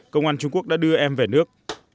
công an trung quốc đã đưa em về nước